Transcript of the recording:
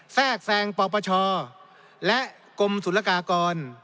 แทรกแสงปราบประชาและกรมศุลกากร